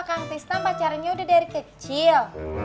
kang pista pacarannya udah dari kecil